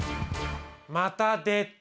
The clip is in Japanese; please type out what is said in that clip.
また出た。